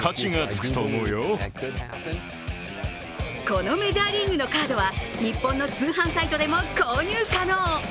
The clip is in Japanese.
このメジャーリーグのカードは日本の通販サイトでも購入可能。